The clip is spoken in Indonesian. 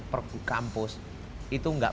pergukampus itu enggak